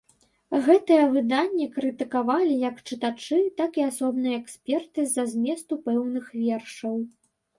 Гэтыя выданні крытыкавалі як чытачы, так і асобныя эксперты з-за зместу пэўных вершаў.